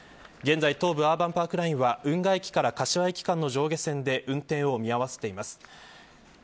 現在東武アーバンパークラインは運河駅から柏駅間の上下線で運転を見合わせています。